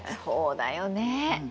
そうだよね。